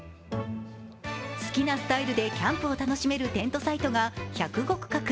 好きなスタイルでキャンプを楽しめるテントサイトが１０５区画。